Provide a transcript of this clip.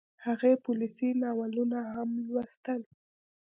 هغې پوليسي ناولونه هم لوستل